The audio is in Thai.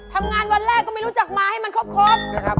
วันแรกก็ไม่รู้จักมาให้มันครบ